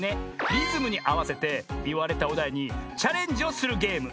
リズムにあわせていわれたおだいにチャレンジをするゲーム。